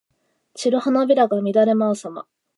散る花びらが乱れ舞うさま。